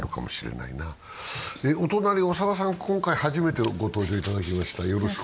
お隣、長田さん、今回初めておいでいただきました。